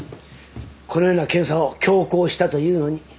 このような検査を強行したというのに。